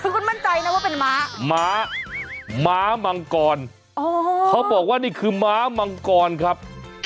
ซึ่งคุณมั่นใจนะว่าเป็นม้าม้าม้ามังกรอ๋อเขาบอกว่านี่คือม้ามังกรครับ